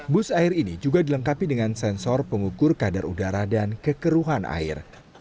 bus air ini juga dilengkapi dengan sensor pengukur kadar udara dan kekeruhan air